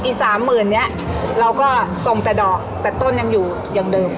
อีก๓๐๐๐๐บาทเนี่ยเราก็ส่งแต่ดอกแต่ต้นยังอยู่อย่างเดิม